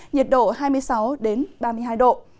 nhiệt độ hai mươi sáu ba mươi hai độ